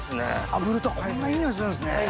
炙るとこんないい匂いするんですね。